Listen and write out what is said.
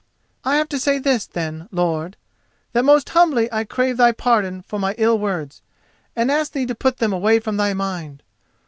"I have to say this, then, lord: that most humbly I crave thy pardon for my ill words, and ask thee to put them away from thy mind.